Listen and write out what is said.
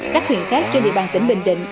các huyện khác trên địa bàn tỉnh bình định